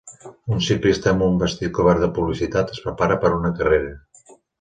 Un ciclista amb un vestit cobert de publicitat es prepara per a una carrera